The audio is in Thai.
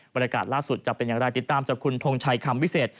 บรรยากาศล่าสุดจะเป็นอย่างไรติดตามจากคุณทงชัยคำวิเศษ